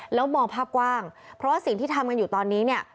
แล้วมองภาพกว้างเพราะว่าสิ่งที่ทำกันอยู่ตอนนี้เนี่ย